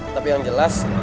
tapi yang jelas